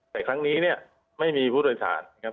แต่ครั้งนี้เนี่ยไม่มีผู้โดยสารนะครับ